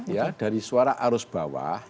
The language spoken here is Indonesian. ya dari suara arus bawah